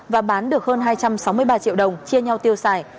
và bán được hơn hai trăm sáu mươi ba triệu đồng chia nhau tiêu xài